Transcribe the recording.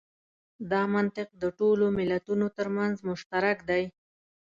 دا منطق د ټولو ملتونو تر منځ مشترک دی.